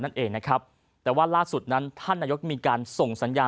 นั่นเองนะครับแต่ว่าล่าสุดนั้นท่านนายกมีการส่งสัญญาณ